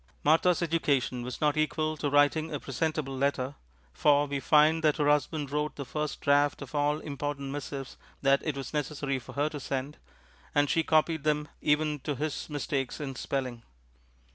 Martha's education was not equal to writing a presentable letter, for we find that her husband wrote the first draft of all important missives that it was necessary for her to send, and she copied them even to his mistakes in spelling.